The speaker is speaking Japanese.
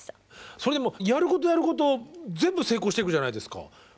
それでもやることやること全部成功していくじゃないですか。